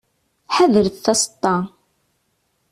Ḥadret taseṭṭa.